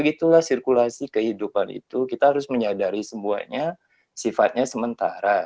jadi setelah mengalami perguruan kehidupan itu kita harus menyadari semuanya sifatnya sementara